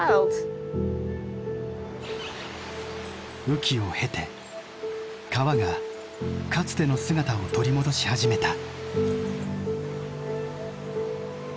雨季を経て川がかつての姿を取り戻し始めた。